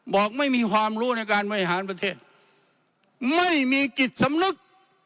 บอกไม่มีความรู้ในการบริหารประเทศไม่มีจิตสำนึก